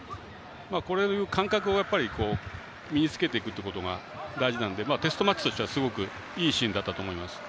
感覚を身につけていくということが大事なのでテストマッチとしては、すごくいいシーンだったと思います。